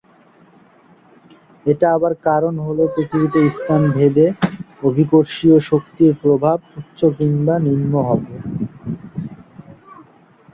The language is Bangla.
এটা হবার কারণ হল, পৃথিবীতে স্থানভেদে অভিকর্ষীয় শক্তির প্রভাব উচ্চ কিংবা নিম্ন হব।